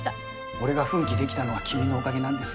俺が奮起できたのは君のおかげなんですよ。